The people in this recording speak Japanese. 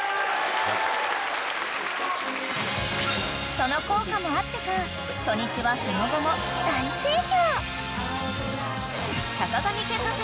［その効果もあってか初日はその後も大盛況］